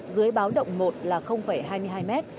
dưới báo động một là hai mươi hai m